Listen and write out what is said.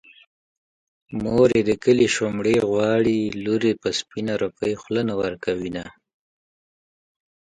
مور يې د کلي شومړې غواړي لور يې په سپينه روپۍ خوله نه ورکوينه